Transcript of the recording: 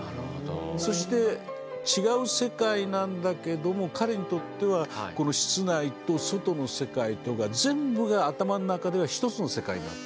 そして違う世界なんだけども彼にとってはこの室内と外の世界とが全部が頭の中では一つの世界になって。